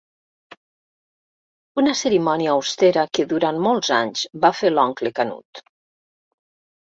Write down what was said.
Una cerimònia austera que durant molts anys va fer l'oncle Canut.